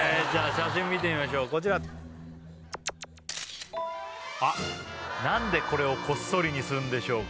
写真見てみましょうこちらあっなんでこれをこっそりにするんでしょうか？